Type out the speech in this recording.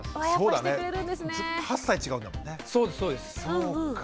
８歳違うんだもんね。